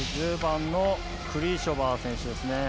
１０番クリージョバー選手